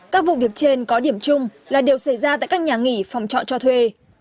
các vụ việc trên có điểm chung là đều xảy ra tại các nhà nghỉ phòng trọ cho thuê